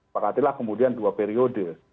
berarti lah kemudian dua periode